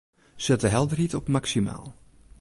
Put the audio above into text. Set de helderheid op maksimaal.